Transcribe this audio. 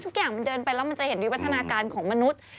ทุกอย่างมันเดินไปแล้วมันจะเห็นวิวัฒนาการของมนุษย์